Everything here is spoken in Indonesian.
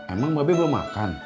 emang mbak be belum makan